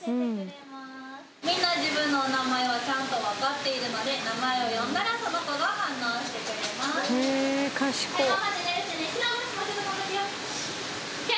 みんな自分のお名前はちゃんと分かっているので名前を呼んだらその子が反応してくれますはい頑張ってねヒロ